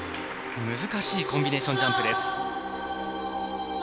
難しいコンビネーションジャンプ。